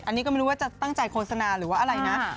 อันนี้ก็ไม่รู้ว่าจะตั้งใจโฆษณาหรือว่าอะไรนะ